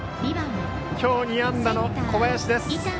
きょう２安打の小林です。